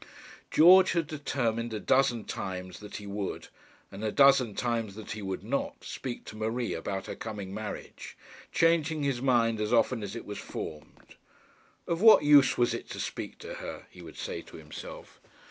George had determined a dozen times that he would, and a dozen times that he would not, speak to Marie about her coming marriage, changing his mind as often as it was formed. Of what use was it to speak to her? he would say to himself.